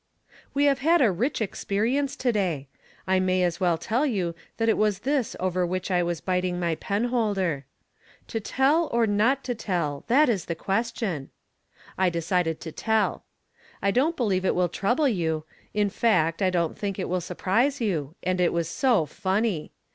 We have had a rich experience to day. I may as well tell you that it was this over which I was From Different Standpoints. 37 biting my penholder. " To tell, or not to tell ; that is the question." I decided to tell. I don't believe it will trouble you ; in fact, I don't think it will surprise you ; and it was so funny.